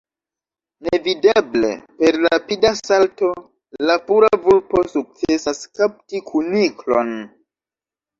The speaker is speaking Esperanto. Nevideble, per rapida salto, la pura vulpo sukcesas kapti kuniklon.